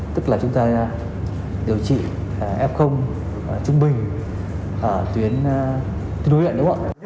tức là chúng ta điều trị f trung bình tuyến đối lận đúng không ạ